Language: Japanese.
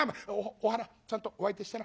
お花ちゃんとお相手してな。